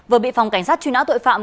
vừa bị phòng cảnh sát truy nã tội phạm